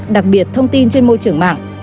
đặc biệt thông tin trên môi trường mạng